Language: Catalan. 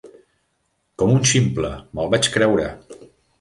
Com un ximple, me'l vaig creure.